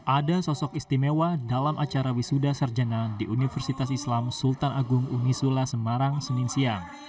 ada sosok istimewa dalam acara wisuda sarjana di universitas islam sultan agung unisula semarang senin siang